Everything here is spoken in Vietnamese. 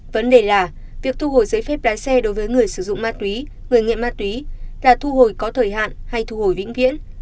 vấn đề là việc thu hồi giấy phép lái xe đối với người sử dụng ma túy người nghiện ma túy là thu hồi có thời hạn hay thu hồi vĩnh viễn